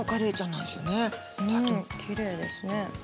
うんきれいですね。